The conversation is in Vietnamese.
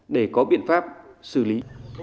để có biện pháp xử lý